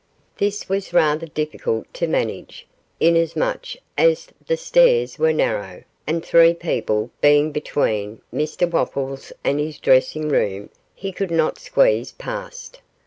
This was rather difficult to manage, inasmuch as the stairs were narrow, and three people being between Mr Wopples and his dressing room, he could not squeeze past.